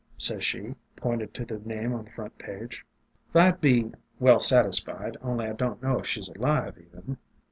sez she, pointin' to the name on the front page. " fl 'd be well satisfied, only I don't know if she 's alive, even.'